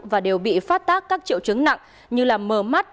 và đều bị phát tác các triệu chứng nặng như mờ mát